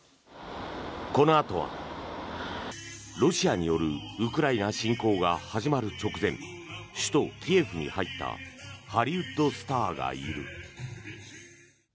このあとは、ロシアによるウクライナ侵攻が始まる直前首都キエフに入ったハリウッドスターがいる。